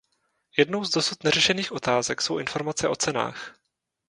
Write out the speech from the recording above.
Jednou z dosud neřešených otázek jsou informace o cenách.